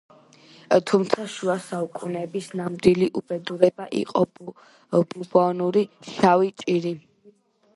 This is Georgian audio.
თუმცა შუა საუკუნეების ნამდვილი უბედურება იყო ბუბონური შავი ჭირი.